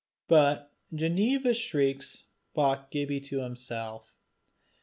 But Ginevra's shrieks brought Gibbie to himself.